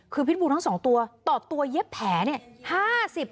คือพิษบูทั้ง๒ตัวต่อตัวเย็บแผลเนี่ย